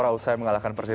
reza selamat pagi